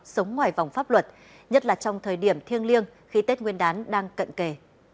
sống ngoài vòng pháp luật nhất là trong thời điểm thiêng liêng khi tết nguyên đán đang cận kề